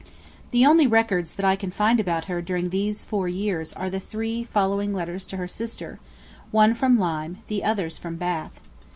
The only records that I can find about her during those four years are the three following letters to her sister; one from Lyme, the others from Bath.